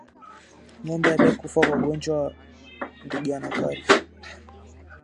Ngombe aliyekufa kwa ugonjwa wa ndigana kali